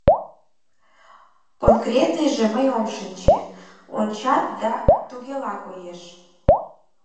Конкретныже мый ом шинче, ончат да... тугела коеш.